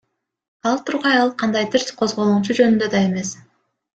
Ал тургай ал кандайдыр козголоңчу жөнүндө да эмес.